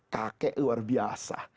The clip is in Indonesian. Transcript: kakek luar biasa